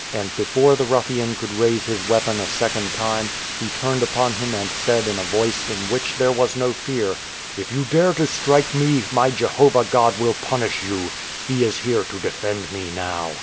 And before the rufTian could raise his weapon a second time, he turned upon him and said in a voice in which there was no fear, " If you dare to strike me, my Jehovah God will punish you. He is here to defend me now."